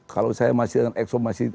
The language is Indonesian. kalau saya masih dengan eksomasi